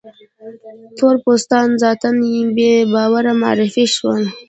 تور پوستان ذاتاً بې باوره معرفي شول.